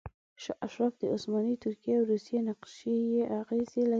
شاه اشرف د عثماني ترکیې او روسیې نقشې بې اغیزې کړې.